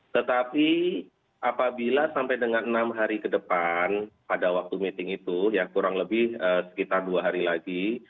tetapi apabila sampai dengan enam hari ke depan pada waktu meeting itu ya kurang lebih sekitar dua hari lagi